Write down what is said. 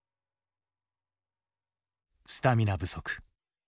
「スタミナ不足」。